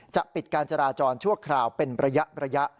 ปิดการจราจรชั่วคราวเป็นระยะ